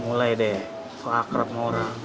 mulai deh so akrab sama orang